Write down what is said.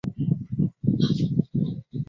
母方氏。